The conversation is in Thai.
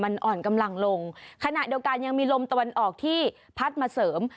มันอ่อนกำลังลงขณะเดียวกันยังมีลมตะวันออกที่พัดมาเสริม